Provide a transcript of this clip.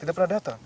tidak pernah datang